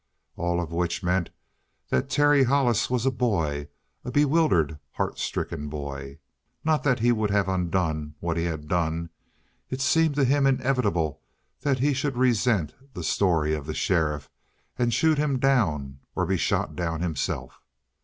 All of which meant that Terry Hollis was a boy a bewildered, heart stricken boy. Not that he would have undone what he had done. It seemed to him inevitable that he should resent the story of the sheriff and shoot him down or be shot down himself.